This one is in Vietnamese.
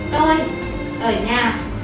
tôi ở nhà